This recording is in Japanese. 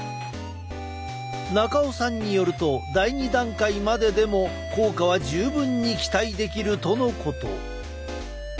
中尾さんによると第２段階まででも効果は十分に期待できるとのこと。